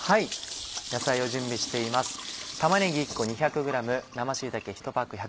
野菜を準備しています。